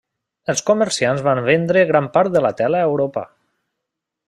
Els comerciants van vendre gran part de la tela a Europa.